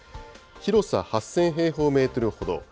広さ８０００平方メートルほど。